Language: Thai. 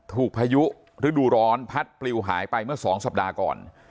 พายุฤดูร้อนพัดปลิวหายไปเมื่อ๒สัปดาห์ก่อน